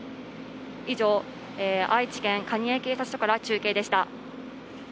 以上、愛知県蟹江警察署から中継でした。